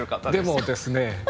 でもですね